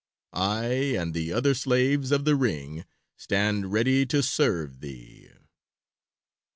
I and the other slaves of the ring stand ready to serve thee."